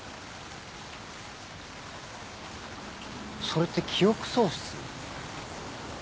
それって記憶喪失？